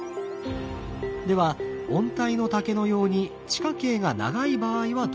では温帯の竹のように地下茎が長い場合はどうでしょう？